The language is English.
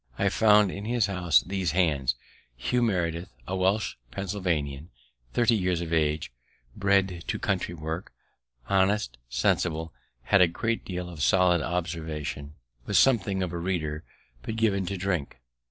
I found in his house these hands: Hugh Meredith, a Welsh Pennsylvanian, thirty years of age, bred to country work; honest, sensible, had a great deal of solid observation, was something of a reader, but given to drink.